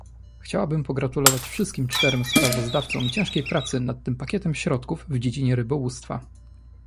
Chciałabym pogratulować wszystkim czterem sprawozdawcom ciężkiej pracy nad tym pakietem środków w dziedzinie rybołówstwa